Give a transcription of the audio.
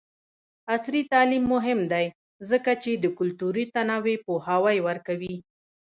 عصري تعلیم مهم دی ځکه چې د کلتوري تنوع پوهاوی ورکوي.